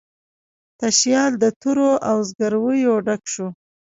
تشیال د تورو او زګیرویو ډک شو